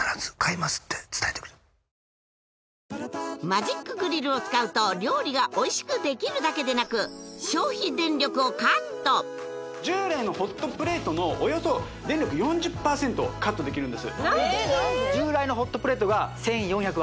マジックグリルを使うと料理がおいしくできるだけでなく消費電力をカット従来のホットプレートのおよそ電力４０％カットできるんです何で？